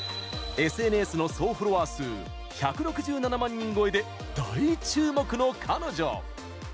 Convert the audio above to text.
ＳＮＳの総フォロワー数１６７万人超えで大注目の彼女。